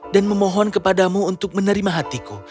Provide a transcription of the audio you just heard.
dan memohon kepadamu untuk menerima hatiku